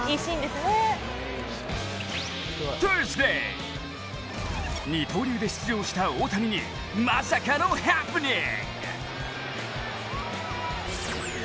サーズデー、二刀流で出場した大谷にまさかのハプニング！